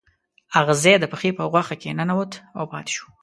اغزی د پښې په غوښه کې ننوت او پاتې شو.